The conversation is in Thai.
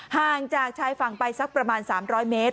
ห่างจากชายฝั่งไปสักประมาณ๓๐๐เมตร